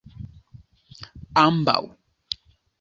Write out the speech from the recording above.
ambaŭ